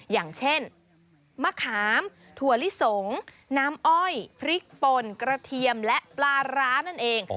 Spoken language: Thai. อย่างเช่นมะขามถั่วลิสงน้ำอ้อยพริกป่นกระเทียมและปลาร้านั่นเอง